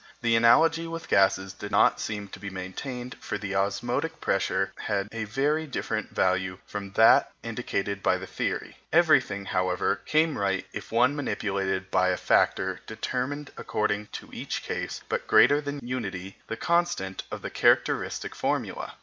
The analogy with gases did not seem to be maintained, for the osmotic pressure had a very different value from that indicated by the theory. Everything, however, came right if one multiplied by a factor, determined according to each case, but greater than unity, the constant of the characteristic formula.